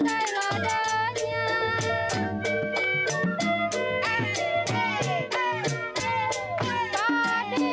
sayang padi cerai sangkai wadahnya